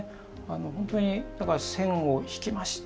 本当に線を引きました